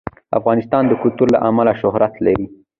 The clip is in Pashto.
افغانستان د کلتور له امله شهرت لري.